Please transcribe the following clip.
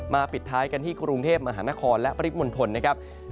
ปิดท้ายกันที่กรุงเทพมหานครและปริมณฑลนะครับ